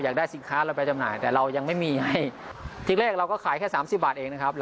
ได้สินค้าเราไปจำหน่ายแต่เรายังไม่มีให้ทีแรกเราก็ขายแค่สามสิบบาทเองนะครับ